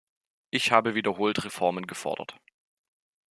Ich habe wiederholt Reformen gefordert.